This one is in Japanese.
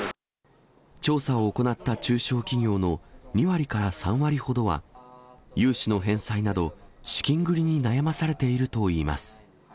調査を行った中小企業の２割から３割ほどは、融資の返済など、資金繰りに悩まされているといいます。